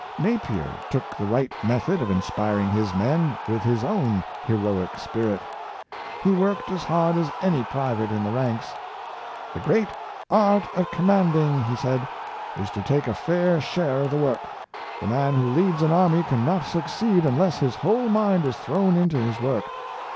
Napier took the right method of inspiring his men with his own heroic spirit. He worked as hard as any private in the ranks. *' The great art of commanding," he said,. " is to take a fare share of the work. The man who leads an army can not succeed unless his whole mind is thrown into his work.